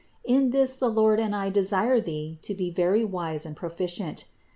In this the Lord and I desire thee to be very wise and proficient.